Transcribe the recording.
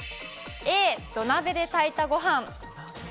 Ａ、土鍋で炊いたごはん。